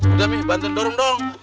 udah bimbing bantuin dorong dong